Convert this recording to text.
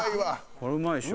これうまいでしょ。